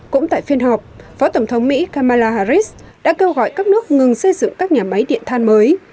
cũng tại phiên họp phó tổng thống mỹ kamala harris đã kêu gọi các nước ngừng xây dựng các nhà máy điện than mới